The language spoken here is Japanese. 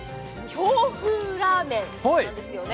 京風ラーメンなんですよね。